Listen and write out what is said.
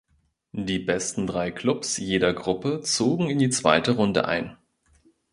Die besten drei Klubs jeder Gruppe zogen in die zweite Runde ein.